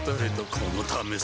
このためさ